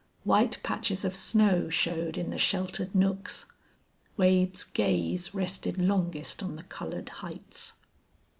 White patches of snow showed in the sheltered nooks. Wade's gaze rested longest on the colored heights.